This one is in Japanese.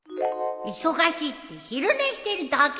忙しいって昼寝してるだけじゃん！